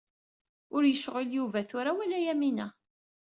Ur yecɣil Yuba tura, wala Yamina.